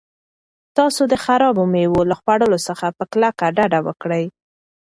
تاسو د خرابو مېوو له خوړلو څخه په کلکه ډډه وکړئ.